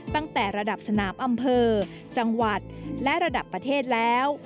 ตั้งแต่ระดับสนามอำเภอจังหวัดและระดับประเทศแล้ว